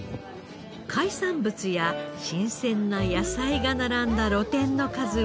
海産物や新鮮な野菜が並んだ露店の数は２００軒以上。